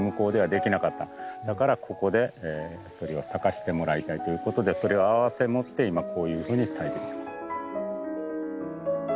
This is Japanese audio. だからここでそれを咲かせてもらいたいということでそれを併せ持って今こういうふうに咲いてるんです。